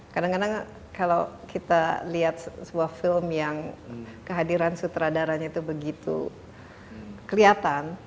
kadang kadang kalau kita lihat sebuah film yang kehadiran sutradaranya itu begitu kelihatan